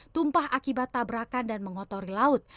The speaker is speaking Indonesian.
tumpah akibat tabrakan dan mengotori laut